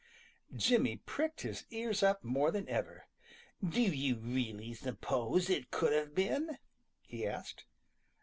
Jimmy pricked his ears up more than ever. "Do you really suppose it could have been?" he asked.